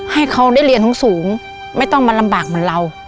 ให้เขาได้เรียนสูงไม่ต้องมาลำบากเหมือนเรา